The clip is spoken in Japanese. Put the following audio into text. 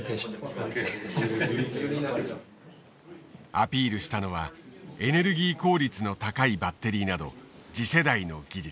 アピールしたのはエネルギー効率の高いバッテリーなど次世代の技術。